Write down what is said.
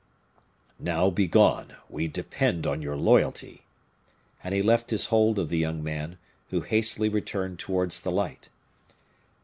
"Now, begone; we depend on your loyalty." And he left his hold of the young man, who hastily returned towards the light.